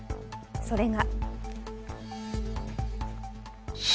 それが。